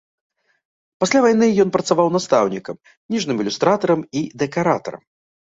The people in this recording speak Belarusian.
Пасля вайны ён працаваў настаўнікам, кніжным ілюстратарам і дэкаратарам.